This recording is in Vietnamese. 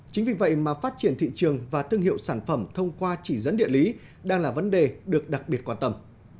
chính vì vậy mà phát triển thị trường và thương hiệu sản phẩm thông qua chỉ dẫn địa lý đang là vấn đề được đặc biệt quan tâm